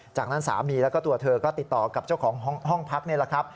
จากนั้นสามีแล้วก็ตัวเธอก็ติดต่อกับเจ้าของห้องพักนี่แหละครับ